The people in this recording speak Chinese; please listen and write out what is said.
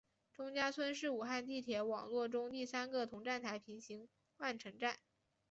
钟家村是武汉地铁网络中第三个同站台平行换乘站。